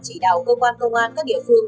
chỉ đạo công an công an các địa phương